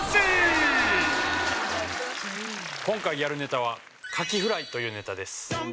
今回やるネタは「カキフライ」というネタです